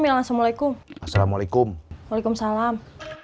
bilang assalamualaikum assalamualaikum waalaikumsalam